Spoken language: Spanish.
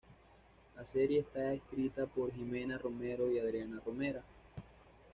La serie está escrita por Jimena Romero y Adriana Romera.